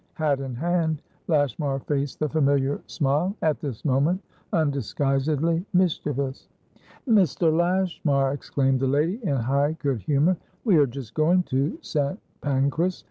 Hat in hand, Lashmar faced the familiar smile, at this moment undisguisedly mischievous. "Mr. Lashmar!" exclaimed the lady, in high good humour. "We are just going to St. Pancras.